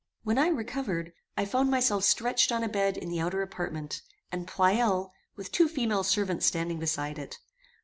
When I recovered, I found myself stretched on a bed in the outer apartment, and Pleyel, with two female servants standing beside it.